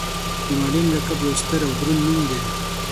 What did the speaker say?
د معلم لقب یو ستر او دروند نوم دی.